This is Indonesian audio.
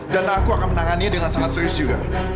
dan aku akan menangannya dengan sangat serius juga